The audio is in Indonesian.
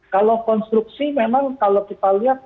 kalau konstruksi memang kalau kita lihat